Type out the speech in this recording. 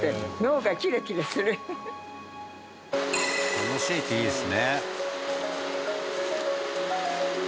楽しいっていいですね。